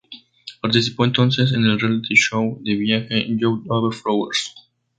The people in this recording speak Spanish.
Participó entonces en el reality show de viaje "Youth Over Flowers".